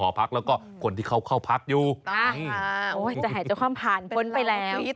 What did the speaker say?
โอ๊ยจะหายเจ้าข้ามผ่านพ้นไปแล้ว